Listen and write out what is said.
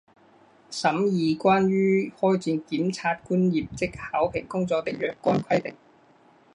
审议关于开展检察官业绩考评工作的若干规定